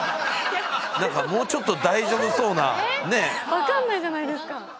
わかんないじゃないですか。